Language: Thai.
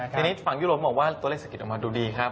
ทีนี้ฝั่งยุโรปบอกว่าตัวเลขเศรษฐกิจออกมาดูดีครับ